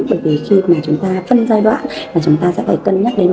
bởi vì khi mà chúng ta phân giai đoạn mà chúng ta sẽ phải cân nhắc đến